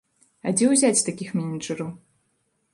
А дзе ўзяць такіх менеджараў?